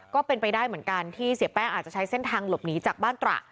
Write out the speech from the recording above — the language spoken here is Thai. ก็เป็นไปได้เหมือนกันที่เสียแป้งอาจจะใช้เส้นทางหลบหนีจากบ้านตระ